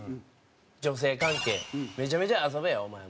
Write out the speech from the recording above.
「女性関係めちゃめちゃ遊べよお前も」。